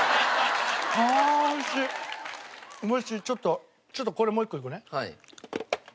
ちょっとちょっとこれもう１個いくね。